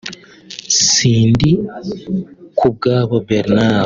Sindikubwabo Bernard